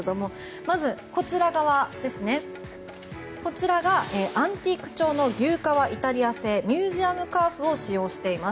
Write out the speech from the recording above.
まず、こちらがアンティーク調の牛革イタリア製ミュージアムカーフを使用しています。